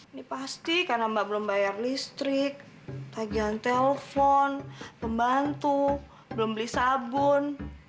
ini pasti karena mbak belum bayar listrik tagihan telpon pembantu belum beli sabun